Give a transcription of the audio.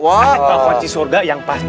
memegang kunci surga yang pas